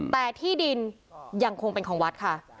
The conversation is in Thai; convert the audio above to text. แต่ที่ดินยังคงเป็นของวัดค่ะ